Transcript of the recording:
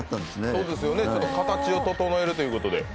そうですよね、形を整えるということで。